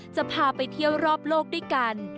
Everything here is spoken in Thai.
จะพาไปเที่ยวรอบโลกด้วยกัน